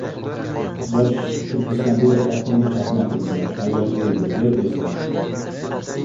Boshqirdistonda er-xotinni chaqmoq urdi. Ayol o‘ldi, er esa...